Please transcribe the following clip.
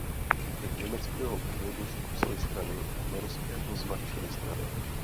Je německého původu z otcovy strany a norského z matčiny strany.